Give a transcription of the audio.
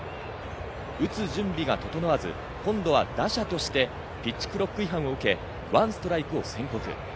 打つ準備が整わず、今度は打者としてピッチクロック違反を受け、１ストライクを宣告。